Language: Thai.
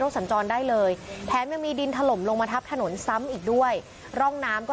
สัญจรได้เลยแถมยังมีดินถล่มลงมาทับถนนซ้ำอีกด้วยร่องน้ำก็